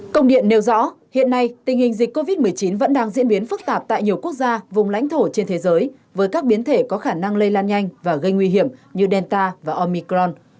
công điện nêu rõ hiện nay tình hình dịch covid một mươi chín vẫn đang diễn biến phức tạp tại nhiều quốc gia vùng lãnh thổ trên thế giới với các biến thể có khả năng lây lan nhanh và gây nguy hiểm như delta và omicron